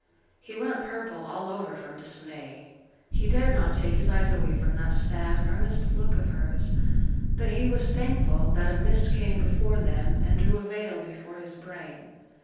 He went purple all over from dismay; he dared not take his eyes away from that sad, earnest look of hers, but he was thankful that a mist came before them and drew a veil before his brain.